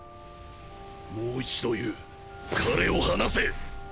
もう一度言う彼を放せ。